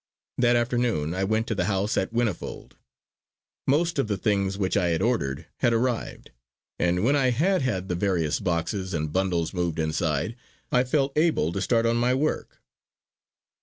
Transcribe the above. That afternoon I went to the house at Whinnyfold. Most of the things which I had ordered had arrived, and when I had had the various boxes and bundles moved inside I felt able to start on my work.